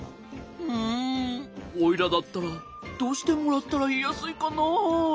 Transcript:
うんおいらだったらどうしてもらったらいいやすいかな。